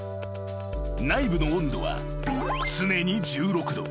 ［内部の温度は常に１６℃。